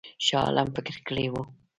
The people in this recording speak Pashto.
شاه عالم فکر کړی وو.